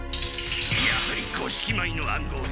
やはり五色米の暗号が！